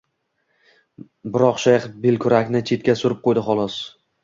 Biroq shayx belkurakni chetga surib qo`ydi, xolos